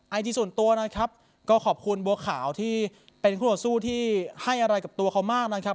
ไอจีส่วนตัวนะครับก็ขอบคุณบัวขาวที่เป็นคู่ต่อสู้ที่ให้อะไรกับตัวเขามากนะครับ